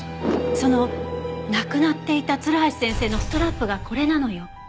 そのなくなっていた鶴橋先生のストラップがこれなのよ。